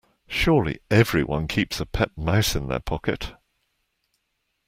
Surely everyone keeps a pet mouse in their pocket?